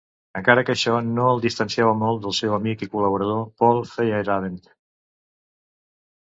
Encara que això no el distanciava molt del seu amic i col·laborador Paul Feyerabend.